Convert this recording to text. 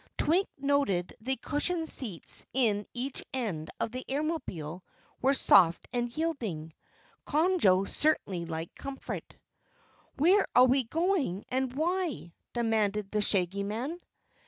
Twink noted the cushioned seats in each end of the Airmobile were soft and yielding Conjo certainly liked comfort. "Where are we going? And why?" demanded the Shaggy Man.